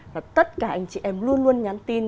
và tất cả anh chị em luôn luôn nhắn tin